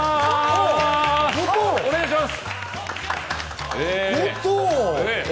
お願いします。